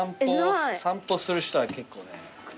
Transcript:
散歩をする人は結構ね。